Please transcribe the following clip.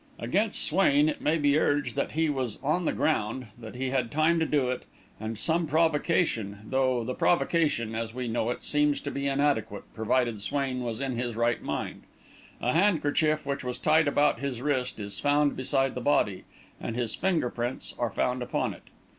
"Against Swain it may be urged that he was on the ground, that he had time to do it, and some provocation, though the provocation, as we know it, seems to be inadequate, provided Swain was in his right mind; a handkerchief which was tied about his wrist is found beside the body, and his finger prints are found upon it.